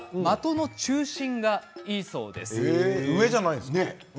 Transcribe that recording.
上じゃないんですか。